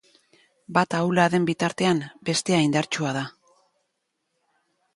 Bat ahula den bitartean, bestea indartsua da.